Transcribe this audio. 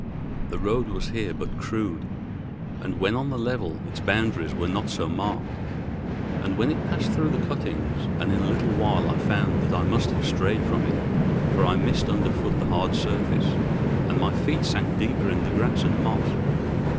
The road was here but crude, and when on the level its boundaries were not so marked, as when it passed through the cuttings; and in a little while I found that I must have strayed from it, for I missed underfoot the hard surface, and my feet sank deeper in the grass and moss.